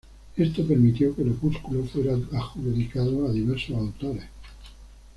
Esto permitió que el opúsculo fuera adjudicado a diversos autores.